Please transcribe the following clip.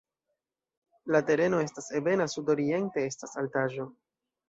La tereno estas ebena, sudoriente estas altaĵo.